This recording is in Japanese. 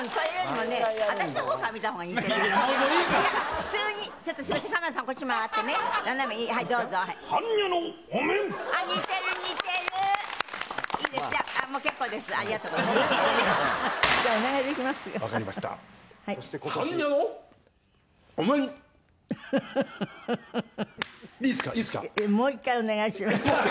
もう１回お願いします。